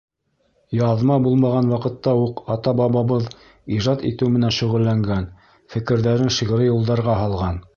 Яҙма булмаған ваҡытта уҡ ата-бабабыҙ ижад итеү менән шөғөлләнгән, фекерҙәрен шиғри юлдарға һалған.